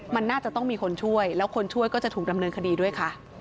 มันน่าจะต้องมีคนช่วยแล้วคนช่วยก็จะถูกดำเนินคดีด้วยค่ะ